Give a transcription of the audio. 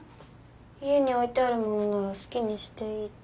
家に置いてあるものなら好きにしていいって。